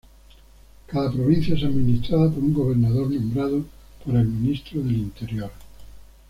Cada provincia es administrada por un gobernador, nombrado por el Ministro del Interior.